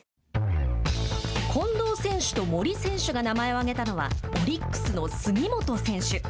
近藤選手と森選手が名前を挙げたのはオリックスの杉本選手。